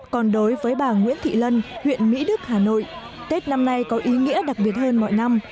còn đối với bà nguyễn thị lân huyện mỹ đức hà nội tết năm nay có ý nghĩa đặc biệt hơn mọi năm